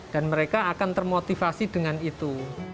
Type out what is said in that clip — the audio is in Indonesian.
dan mereka akan termotivasi dengan itu